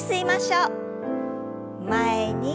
前に。